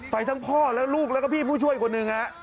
ไปทั้งพ่อและลูกแล้วก็พี่ผู้ช่วยคนหนึ่งฮะ